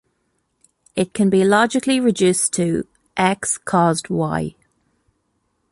It can be logically reduced to: X caused Y.